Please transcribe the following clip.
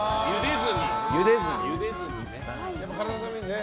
ゆでずにね。